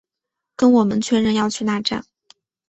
跟我们确认要去那站